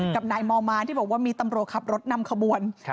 กับนายมอร์มานที่บอกว่ามีตำรวจขับรถนำขบวน